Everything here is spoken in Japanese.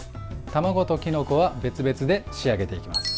卵ときのこは別々で仕上げていきます。